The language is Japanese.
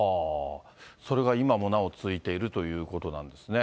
それが今もなお続いているということなんですね。